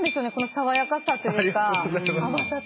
爽やかさというか。